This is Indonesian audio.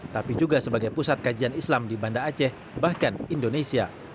tapi juga sebagai pusat kajian islam di banda aceh bahkan indonesia